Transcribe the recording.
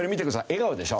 笑顔でしょ？